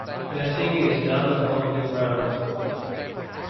Nesting is done on the ground.